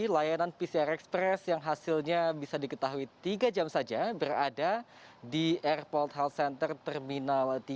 layanan pcr express yang hasilnya bisa diketahui tiga jam saja berada di airport health center terminal tiga